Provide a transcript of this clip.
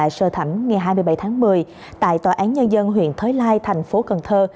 sơ thẩm ngày hai mươi bảy tháng một mươi tại tòa án nhân dân huyện thới lai thành phố cần thơ